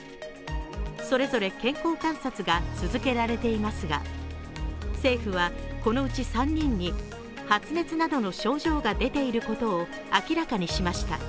それぞれ健康観察が続けられていますが政府は、このうち３人に発熱などの症状が出ていることなどを明らかにしました。